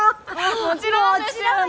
もちろんですよね！